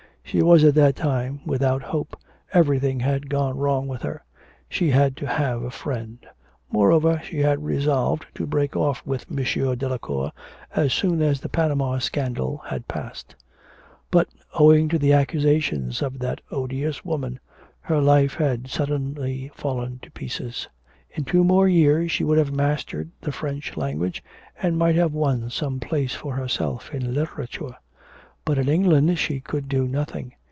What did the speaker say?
She was at that time without hope, everything had gone wrong with her. She had to have a friend.... Moreover, she had resolved to break off with M. Delacour as soon as the Panama scandal had passed. But, owing to the accusations of that odious woman, her life had suddenly fallen to pieces. In two more years she would have mastered the French language, and might have won some place for herself in literature.... But in English she could do nothing.